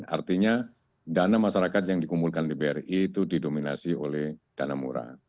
artinya dana masyarakat yang dikumpulkan di bri itu didominasi oleh dana murah